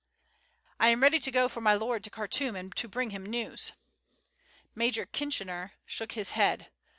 "I am ready to go for my lord to Khartoum, and to bring him news." Major Kitchener shook his head.